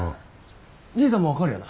じいさんも分かるよな？